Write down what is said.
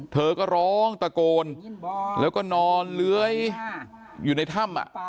เธอก็ร้องตะโกนแล้วก็นอนเลื้อยอยู่ในถ้ำ